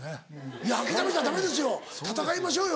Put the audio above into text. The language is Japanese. いや諦めちゃダメですよ戦いましょうよ。